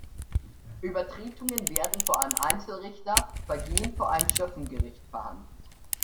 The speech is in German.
Übertretungen werden vor einem Einzelrichter, Vergehen vor einem Schöffengericht verhandelt.